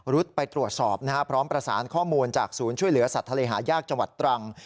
รุดไปตรวจสอบพร้อมประสานข้อมูลจากศูนย์ช่วยเหลือสัตว์ทะเลหายากจังหวัดตรัง